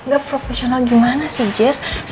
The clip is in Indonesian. gak profesional gimana sih jess